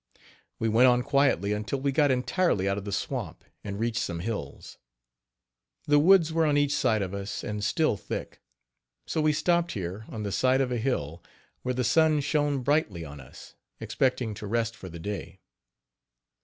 We went on quietly until we got entirely out of the swamp and reached some hills. The woods were on each side of us and still thick; so we stopped here, on the side of a hill, where the sun shone brightly on us, expecting to rest for the day.